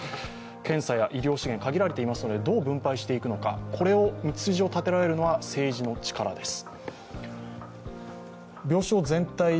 検査や医療資源、限られていますのでどう分配していくのか、道筋を立てられるのは政治の力です。